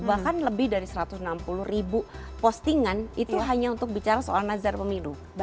bahkan lebih dari satu ratus enam puluh ribu postingan itu hanya untuk bicara soal nazar pemilu